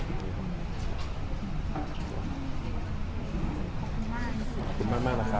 ขอบคุณมากขอบคุณมากนะครับ